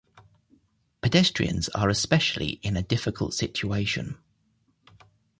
Pedestrians are especially in a difficult situation.